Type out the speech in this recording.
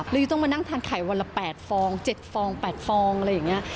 ยังจะต้องมานั่งทานไข่วันละ๘ฟอง๗ฟอง๘ฟองอะไรอย่างนี้